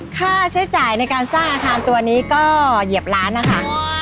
ค่าใช้จ่ายในการสร้างอาคารตัวนี้ก็เหยียบล้านนะคะ